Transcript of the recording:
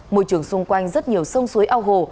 môi trường xung quanh rất nhiều sông suối ao hồ